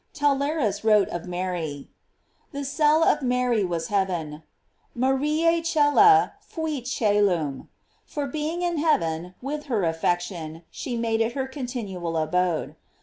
Tau lerns wrote of Mary: The eellof Mary was hea ven, "Marise cella fuit co3lum,"* for being in hea ven, with her affection, she made it her continual abode.